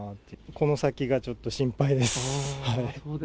この先がちょっと心配です。